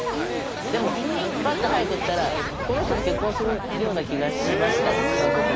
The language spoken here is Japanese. でもパッと入っていったらこの人と結婚するような気がしましたその時に。